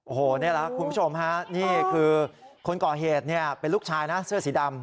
โอ้โหนี่แหละคุณผู้ชมฮะนี่คือคนก่อเหตุเป็นลูกชายนะเสื้อสีดำ